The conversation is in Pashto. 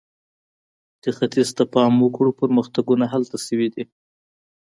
که ختیځ ته پام وکړو، پرمختګونه هلته شوي دي.